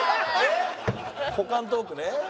股間トークね。